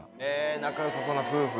仲良さそうな夫婦。